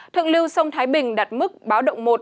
thượng lưu sông thái bình đạt mức báo động một